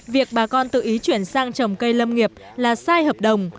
việc bà con tự ý chuyển sang trồng cây lâm nghiệp là sai hợp đồng